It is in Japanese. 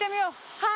はい！